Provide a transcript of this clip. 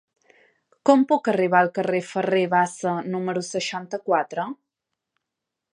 Com puc arribar al carrer de Ferrer Bassa número seixanta-quatre?